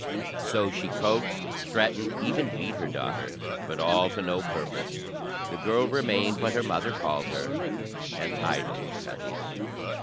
So she coaxed, threatened, even beat her daughter, but all to no purpose; the girl remained what her mother called her, "an idle cuttie."